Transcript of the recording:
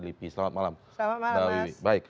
lipi selamat malam selamat malam mas